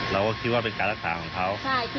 เราก็คิดว่าเป็นการรักษาของเขา